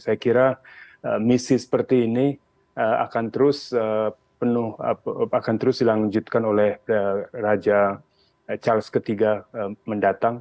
saya kira misi seperti ini akan terus dilanjutkan oleh raja charles iii mendatang